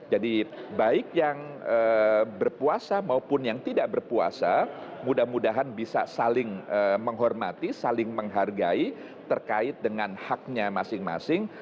jadi baik yang berpuasa maupun yang tidak berpuasa mudah mudahan bisa saling menghormati saling menghargai terkait dengan haknya masing masing